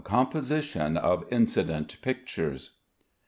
COMPOSITION OF INCIDENT PICTURES.